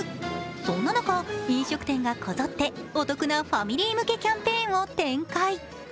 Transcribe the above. そんな中、飲食店がこぞってお得なファミリー向けキャンペーンを展開。